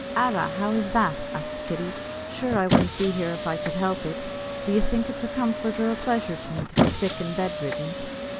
"Arra, how is that?" asked Kitty; "sure I wouldn't be here if I could help it? Do you think it's a comfort or a pleasure to me to be sick and bedridden?"